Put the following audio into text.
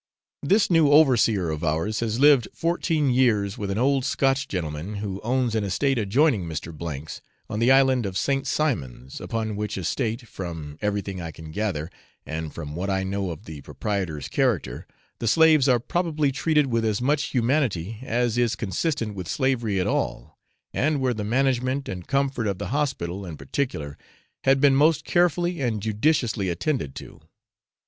This new overseer of ours has lived fourteen years with an old Scotch gentleman, who owns an estate adjoining Mr. 's, on the island of St. Simons, upon which estate, from everything I can gather, and from what I know of the proprietor's character, the slaves are probably treated with as much humanity as is consistent with slavery at all, and where the management and comfort of the hospital, in particular, had been most carefully and judiciously attended to.